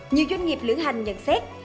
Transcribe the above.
nhiều doanh nghiệp lưỡng hành nhận xét